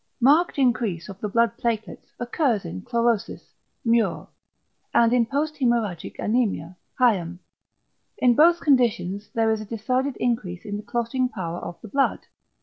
Marked =increase of the blood platelets= occurs in chlorosis (Muir) and in posthæmorrhagic anæmia (Hayem). In both conditions there is a decided =increase in the clotting power of the blood=.